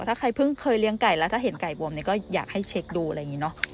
ถ้าใครเพิ่งเคยเลี้ยงไก่แล้วถ้าเห็นไก่บวมเนี่ยก็อยากให้เช็คดูอะไรอย่างนี้เนอะ